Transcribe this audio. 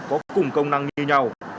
có cùng công năng như nhau